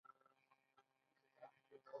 غیر فلزونه په کیمیاوي تعاملونو کې الکترونونه اخلي.